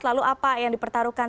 lalu apa yang dipertaruhkan